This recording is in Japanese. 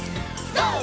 ＧＯ！